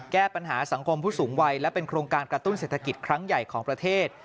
แก้ปัญหาสังคมผู้สูงวัยและเป็นโครงการกระตุ้นเศรษฐกิจครั้งใหญ่ของประเทศ